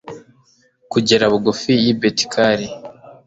kugera bugufi y'i betikari